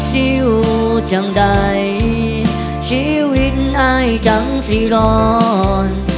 ชิ้วจังใดชีวิตไอจังสิร้อน